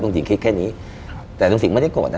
ลุงสิงคิดแค่นี้แต่ลุงสิงไม่ได้โกนนะ